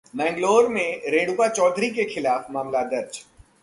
मैंगलोर में रेणुका चौधरी के खिलाफ मामला दर्ज